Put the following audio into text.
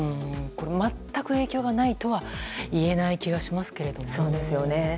全く影響がないとは言えない気がしますけどもね。